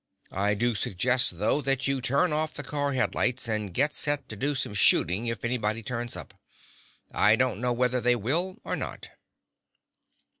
I do suggest, though, that you turn off the car headlights and get set to do some shooting if anybody turns up. I don't know whether they will or not."